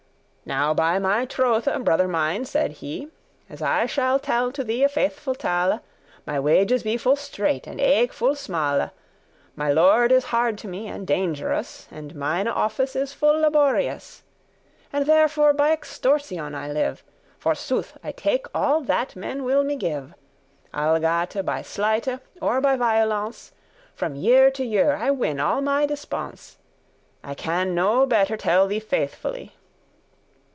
Now by my trothe, brother mine," said he, As I shall tell to thee a faithful tale: My wages be full strait and eke full smale; My lord is hard to me and dangerous,* *niggardly And mine office is full laborious; And therefore by extortion I live, Forsooth I take all that men will me give. Algate* by sleighte, or by violence, *whether From year to year I win all my dispence; I can no better tell thee faithfully."